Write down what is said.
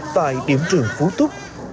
tại điểm trường phú túc